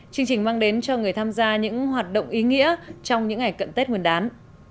chương trình mang đến cho người tham gia những hoạt động ý nghĩa trong những ngày cận tết nguyên đán